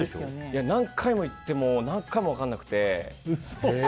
いや、何回も行っても何回も分からなくて。